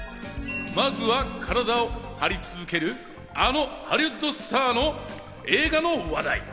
まずは体を張り続けるあのハリウッドスターの映画の話題。